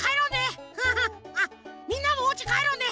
あっみんなもおうちかえろうね！